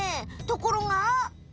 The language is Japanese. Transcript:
ところが？